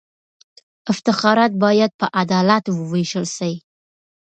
افتخارات باید په عدالت ووېشل سي.